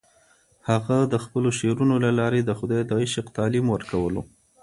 هغه د خپلو شعرونو له لارې د خدای د عشق تعلیم ورکولو.